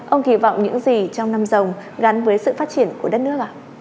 ông kỳ vọng những gì trong năm rồng gắn với sự phát triển của đất nước ạ